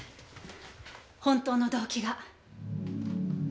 本当の動機が。